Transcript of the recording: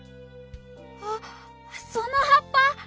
あっそのはっぱ！